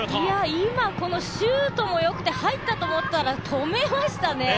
今、このシュートもよくて入ったと思ったら止めましたね。